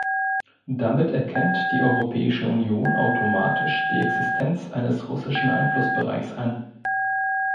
Damit erkennt die Europäische Union automatisch die Existenz eines russischen Einflussbereichs an.